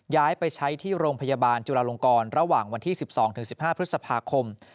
ย้ายไปใช้ที่โรงพยาบาลจุลาลงกรระหว่างวันที่๑๒๑๕พฤษภาคม